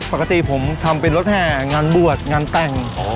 ปกติผมทำเป็นรถแห่งานบวชงานแต่ง